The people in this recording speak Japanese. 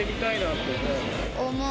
思う。